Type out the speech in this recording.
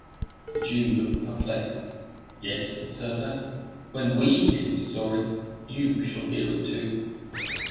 The Jew looked perplexed. "Yes," said Servadac; "when we hear his story, you shall hear it too."